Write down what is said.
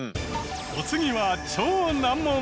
お次は超難問。